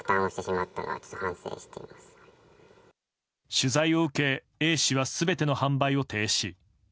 取材を受けＡ氏は全ての販売を停止。